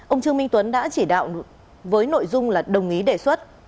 ông trương minh tuấn đã chỉ đạo với nội dung là đồng ý đề xuất